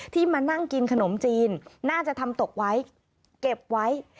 มานั่งกินขนมจีนน่าจะทำตกไว้เก็บไว้